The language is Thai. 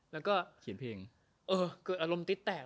แล้วก็เกิดอารมณ์ติดแตก